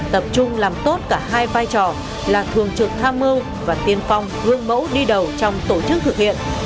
tập trung làm tốt cả hai vai trò là thường trực tham mưu và tiên phong gương mẫu đi đầu trong tổ chức thực hiện